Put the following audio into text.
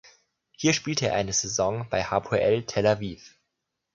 Hier spielte er eine Saison bei Hapoel Tel Aviv.